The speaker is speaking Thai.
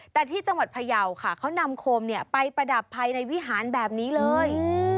แต่ที่จังหวัดพยาวค่ะเขานำโคมไปประดับภายในวิหารแบบนี้เลย